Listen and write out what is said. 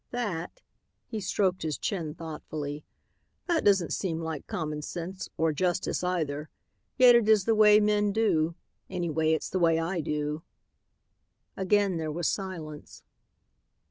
That," he stroked his chin thoughtfully, "that doesn't seem like common sense or justice, either, yet it is the way men do; anyway it's the way I do." Again there was silence.